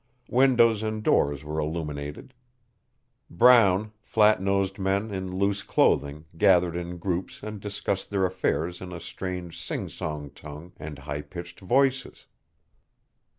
Windows and doors were illuminated. Brown, flat nosed men in loose clothing gathered in groups and discussed their affairs in a strange singsong tongue and high pitched voices.